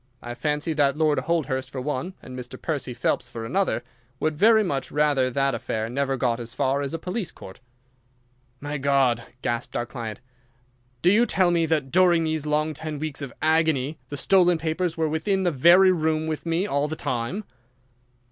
I fancy that Lord Holdhurst for one, and Mr. Percy Phelps for another, would very much rather that the affair never got as far as a police court. "My God!" gasped our client. "Do you tell me that during these long ten weeks of agony the stolen papers were within the very room with me all the time?"